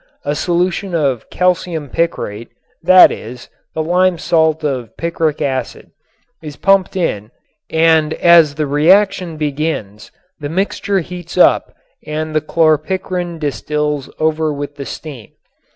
A solution of calcium picrate, that is, the lime salt of picric acid, is pumped in and as the reaction begins the mixture heats up and the chlorpicrin distils over with the steam.